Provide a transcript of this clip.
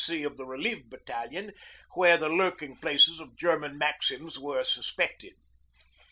C. of the relieved battalion where the lurking places of German maxims were suspected.